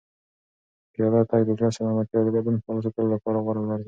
پیاده تګ د زړه سلامتیا او د بدن فعال ساتلو لپاره غوره لاره ده.